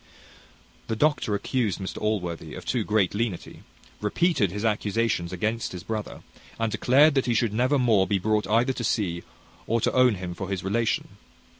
The doctor accused Mr Allworthy of too great lenity, repeated his accusations against his brother, and declared that he should never more be brought either to see, or to own him for his relation.